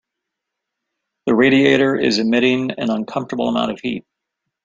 That radiator is emitting an uncomfortable amount of heat.